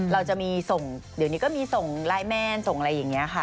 เราจะมีส่งเดี๋ยวนี้ก็มีส่งไลน์แมนส่งอะไรอย่างนี้ค่ะ